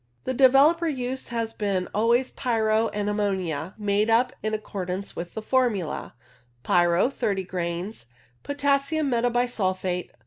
The developer used has been always pyro and ammonia, made up in accordance with the formula — Pyro 30 grains Potassium metabisulphite